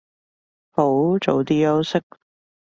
好，早啲休息